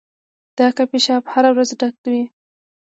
دا کافي شاپ هره ورځ ډک وي.